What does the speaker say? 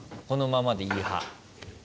このままでいい派。